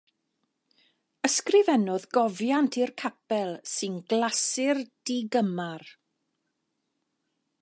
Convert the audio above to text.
Ysgrifennodd gofiant i'r capel sy'n glasur digymar.